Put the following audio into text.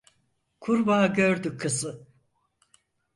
Kurbağa gördü kızı.